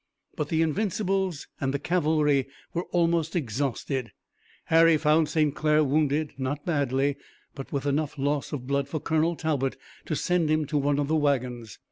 But the Invincibles and the cavalry were almost exhausted. Harry found St. Clair wounded, not badly, but with enough loss of blood for Colonel Talbot to send him to one of the wagons.